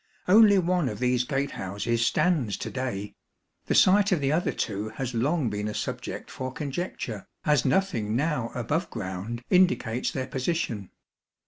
Only one of these gate houses stands to day, the site of the other two has long been a subject for conjecture, MS nothing now above ground indicates their position.